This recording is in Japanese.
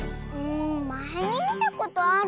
まえにみたことある。